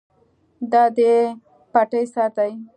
دا د پټی سر دی.